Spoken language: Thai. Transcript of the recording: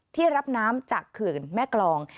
ที่รับน้ำจากเขื่อนแม่กรอง